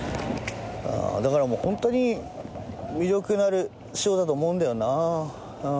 だから本当に魅力のある仕事だと思うんだよな。